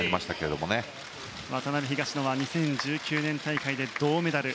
渡辺、東野は２０１９年大会で銅メダル。